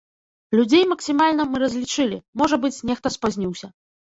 Людзей максімальна мы разлічылі, можа быць, нехта спазніўся.